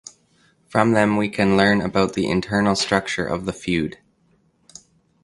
From them we can learn about the internal structure of the feud.